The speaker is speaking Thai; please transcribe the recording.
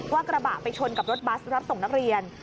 กระบะไปชนกับรถบัสรับส่งนักเรียน